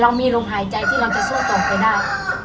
มีลมหายใจที่เราจะสู้ต่อไปได้